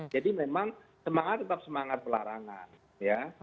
jadi memang semangat tetap semangat pelarangan